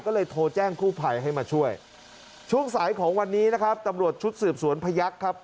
ก็เลยโทรแจ้งกู้ภัยให้มาช่วยช่วงสายของวันนี้นะครับตำรวจชุดสืบสวนพยักษ์ครับ